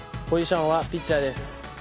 ポジジョンはピッチャーです。